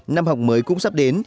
năm học mới cũng sắp đến